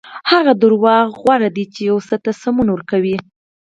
هغه دروغ غوره دي چې یو څه ته سمون ورکوي.